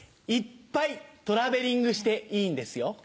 いっぱいトラベリングしていいんですよ。